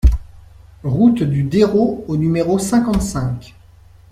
Route du Dérot au numéro cinquante-cinq